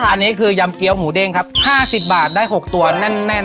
อันนี้คือยำเกี้ยวหมูเด้งครับ๕๐บาทได้๖ตัวแน่น